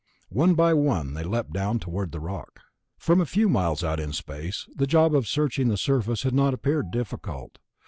One by one they leaped down toward the rock. From a few miles out in space, the job of searching the surface had not appeared difficult.